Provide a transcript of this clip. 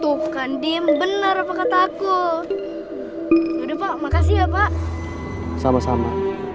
tuh kan diem bener apa kataku udah pak makasih ya pak sama sama